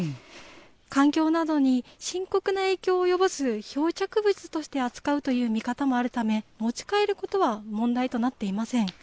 環境などに深刻な影響を及ぼす漂着物として扱うという見方もあるため、持ち帰ることは問題となっていません。